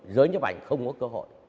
giới nhấp ảnh không có cơ hội